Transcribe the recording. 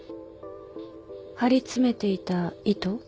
張り詰めていた糸？